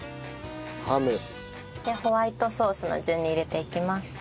でホワイトソースの順に入れていきます。